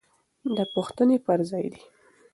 دا پوښتنې پر ځای دي.